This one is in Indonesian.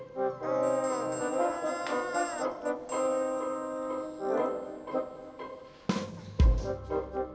ya berapa sih mbak pangunir